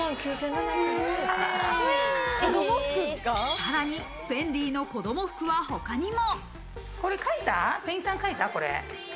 さらにフェンディの子供服は他にも。